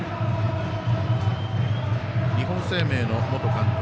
日本生命の元監督